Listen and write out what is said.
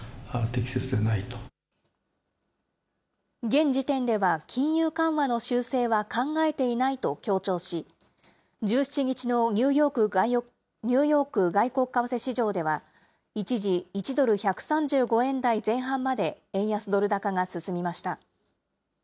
現時点では、金融緩和の修正は考えていないと強調し、１７日のニューヨーク外国為替市場では、一時、１ドル１３５円台前半まで円安ドル高が進みました。